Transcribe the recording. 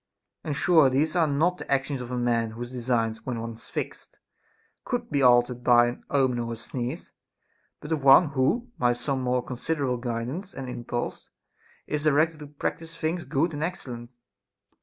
And sure these are not the actions of a man whose designs, when once fixed, could be altered by an omen or a sneeze ; but of one who, by some more con siderable guidance and impulse, is directed to practise things good and excellent.